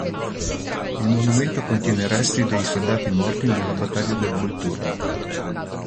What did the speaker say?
Il monumento contiene resti dei soldati morti nella battaglia del Volturno.